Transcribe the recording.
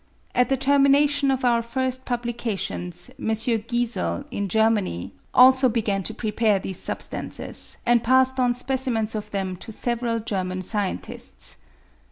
At the termination of our first publications, M. Giesel, in Germany, also began to prepare these sub stances, and passed on specimens of them to several German scientists.